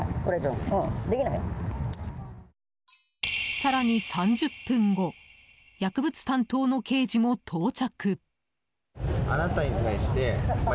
更に３０分後薬物担当の刑事も到着。